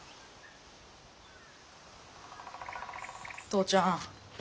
父ちゃん